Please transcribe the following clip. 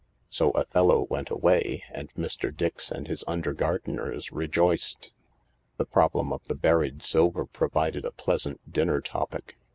So Othello went away, and Mr. Dix and his under gardeners rejoiced. The problem of the buried silver provided a pleasant dinner topic.